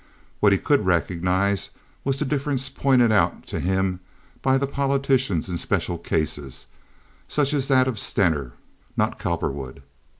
What he could recognize was the differences pointed out to him by the politicians in special cases, such as that of Stener—not Cowperwood.